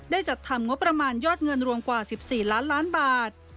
จัดทำงบประมาณยอดเงินรวมกว่า๑๔ล้านล้านบาท